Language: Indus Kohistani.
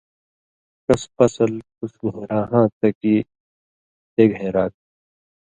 ݜس (پسل) تُس گھَین٘راہاں تھہ گی بے گھَین٘راگ تھہ؟